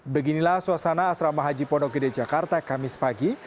beginilah suasana asrama haji pondokide jakarta kamis pagi